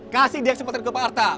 kasih dia kesempatan ke pak harta